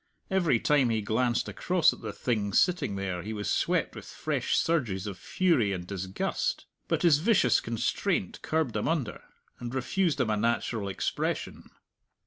Every time he glanced across at the thing sitting there he was swept with fresh surges of fury and disgust. But his vicious constraint curbed them under, and refused them a natural expression.